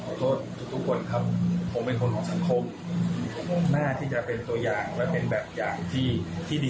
ขอโทษทุกคนครับคงเป็นคนของสังคมน่าที่จะเป็นตัวอย่างและเป็นแบบอย่างที่ที่ดี